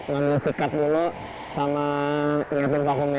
bagi saya menjadi pengurus akwarium raksasa dengan ukuran lebih dari sembilan ratus gram